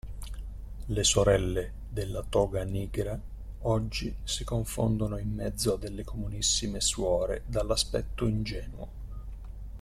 Le sorelle della Toga Nigra oggi si confondono in mezzo a delle comunissime suore dall'aspetto ingenuo.